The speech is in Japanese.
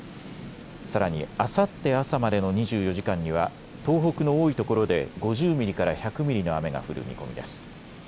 さらにあさって朝までの２４時間には東北の多いところで５０ミリから１００ミリの雨が降る見込みです。